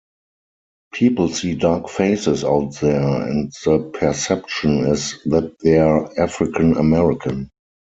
People see dark faces out there, and the perception is that they're African-American.